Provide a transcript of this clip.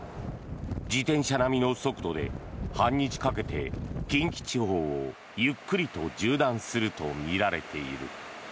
自転車並みの速度で半日かけて近畿地方をゆっくりと縦断するとみられている。